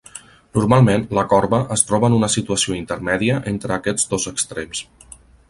Normalment la corba es troba en una situació intermèdia entre aquests dos extrems.